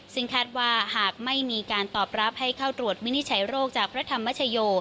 ซึ่งคาดว่าหากไม่มีการตอบรับให้เข้าตรวจวินิจฉัยโรคจากพระธรรมชโย